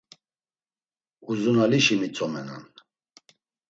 Uzunalişi mitzomenan.